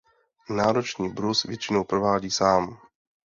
Náročný brus většinou provádí sám.